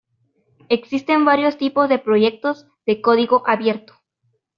Existen varios tipos de proyectos de código abierto.